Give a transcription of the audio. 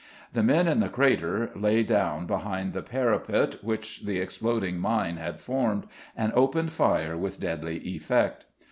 The men in the crater lay down behind the parapet which the exploding mine had formed and opened fire with deadly effect.